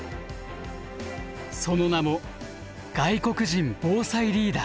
その名も外国人防災リーダー。